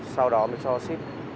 sau đó mới cho ship